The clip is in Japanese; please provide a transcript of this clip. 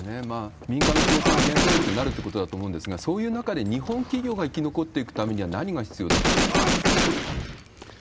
民間の競争が原動力になるということだと思うんですが、そういう中で日本企業が生き残っていくためには、何が必要だと思われますか？